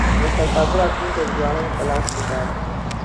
د مشرتابه راتلونکی د ځوانانو په لاس کي دی.